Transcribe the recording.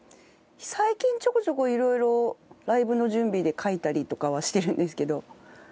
最近ちょこちょこいろいろライヴの準備で書いたりとかはしてるんですけど。